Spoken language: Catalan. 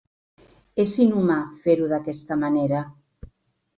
És inhumà fer-ho d'aquesta manera.